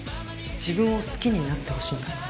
自分を好きになってほしいんだ。